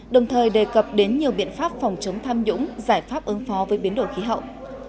đồng thời đề cập đến nhiều biện pháp phòng chống tham nhũng giải pháp ứng phó với biến đổi khí hậu